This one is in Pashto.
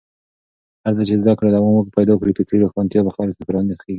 هرځل چې زده کړه دوام پیدا کړي، فکري روښانتیا په خلکو کې پراخېږي.